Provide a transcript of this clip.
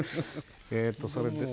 えっとそれで。